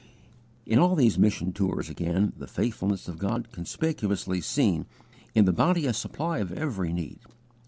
In all these mission tours, again, the faithfulness of God conspicuously seen, in the bounteous supply of every need.